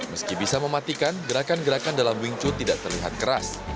meski bisa mematikan gerakan gerakan dalam wing chu tidak terlihat keras